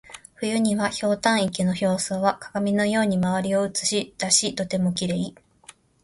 冬には、ひょうたん池の表層は鏡のように周りを写し出しとてもきれい。